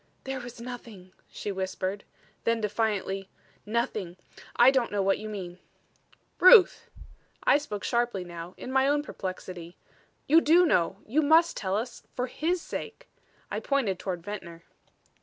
"There was nothing," she whispered then defiantly "nothing. I don't know what you mean." "Ruth!" I spoke sharply now, in my own perplexity. "You do know. You must tell us for his sake." I pointed toward Ventnor.